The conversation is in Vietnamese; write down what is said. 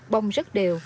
bông rất đều